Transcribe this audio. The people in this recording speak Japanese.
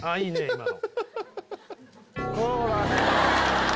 今の。